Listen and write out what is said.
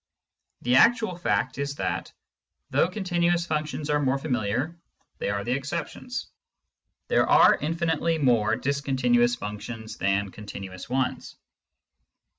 The actual fact is that, though continuous functions are more familiar, they are the exceptions : there are infinitely more discontinuous functions than continuous ones.